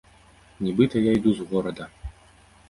Нібыта я іду з горада.